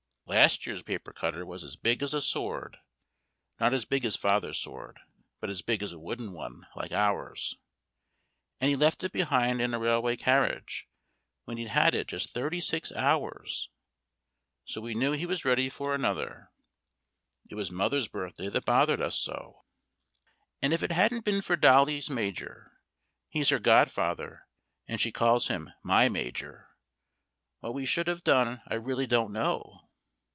Last year's paper cutter was as big as a sword (not as big as Father's sword, but as big as a wooden one, like ours), And he left it behind in a railway carriage, when he'd had it just thirty six hours; So we knew he was ready for another. It was Mother's birthday that bothered us so; [Illustration: Review of the Household Troops The Cavalry] And if it hadn't been for Dolly's Major (he's her Godfather, and she calls him "my Major"), what we should have done I really don't know!